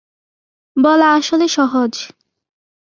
বলা আসলে সহজ।